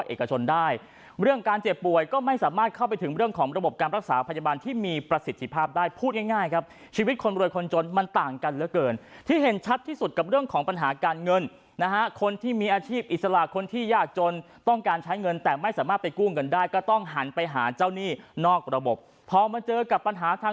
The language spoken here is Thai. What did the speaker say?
เอกชนได้เรื่องการเจ็บป่วยก็ไม่สามารถเข้าไปถึงเรื่องของระบบการรักษาพยาบาลที่มีประสิทธิภาพได้พูดง่ายครับชีวิตคนรวยคนจนมันต่างกันเหลือเกินที่เห็นชัดที่สุดกับเรื่องของปัญหาการเงินนะฮะคนที่มีอาชีพอิสระคนที่ยากจนต้องการใช้เงินแต่ไม่สามารถไปกู้เงินได้ก็ต้องหันไปหาเจ้าหนี้นอกระบบพอมาเจอกับปัญหาทาง